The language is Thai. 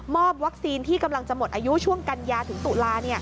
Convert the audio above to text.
วัคซีนที่กำลังจะหมดอายุช่วงกันยาถึงตุลา